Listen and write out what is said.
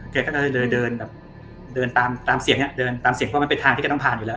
แกก็เลยเดินแบบเดินตามตามเสียงเนี่ยเดินตามเสียงเพราะมันเป็นทางที่แกต้องผ่านอยู่แล้ว